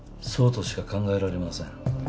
そうとしか考えられません。